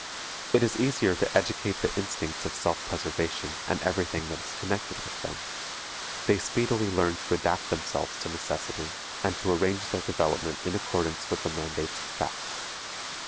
It is easier to educate the instincts of self preservation and everything that is connected with them; they speedily learn to adapt themselves to necessity and to arrange their development in accordance with the mandates of fact.